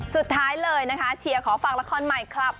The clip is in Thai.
สุดท้ายเลยนะคะเชียร์ขอฝากละครใหม่คลับ